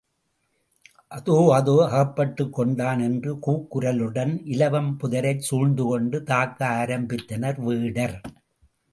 அதோ அதோ, அகப்பட்டுக் கொண்டான் என்ற கூக்குரலுடன் இலவம் புதரைச் சூழ்ந்துகொண்டு தாக்க ஆரம்பித்தனர் வேடர்.